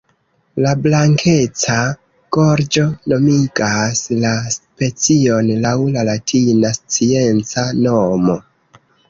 La blankeca gorĝo nomigas la specion laŭ la latina scienca nomo.